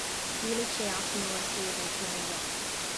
Díolfaidh sé as an uair is lú a bheidh coinne aige